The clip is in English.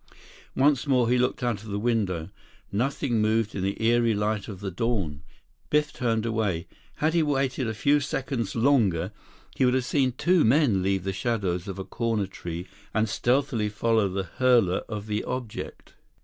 Once more he looked out the window. Nothing moved in the eerie light of the dawn. Biff turned away. Had he waited a few seconds longer, he would have seen two men leave the shadows of a corner tree and stealthily follow the hurler of the object.